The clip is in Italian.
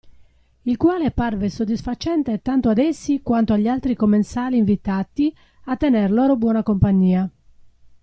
Il quale parve soddisfacente tanto ad essi quanto agli altri commensali invitati a tener loro buona compagnia.